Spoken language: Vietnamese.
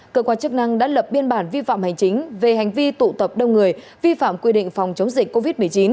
cơ quan chức năng đã lập biên bản vi phạm hành chính về hành vi tụ tập đông người vi phạm quy định phòng chống dịch covid một mươi chín